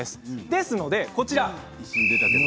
ですので、こちら。